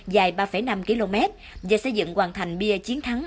dài ba năm km và xây dựng hoàn thành bia chiến thắng